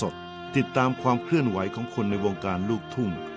ติดตามความเคลื่อนไหวของคนในวงการลูกทุ่ง